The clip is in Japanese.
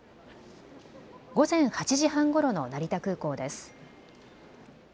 午前８時半ごろの成田空港です。